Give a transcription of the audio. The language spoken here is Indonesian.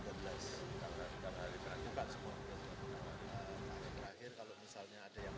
terakhir kalau misalnya ada yang